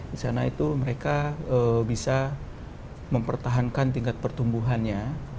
di sana itu mereka bisa mempertahankan tingkat pertumbuhannya